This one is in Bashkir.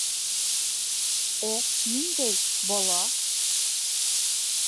Ә ниндәй... бала?!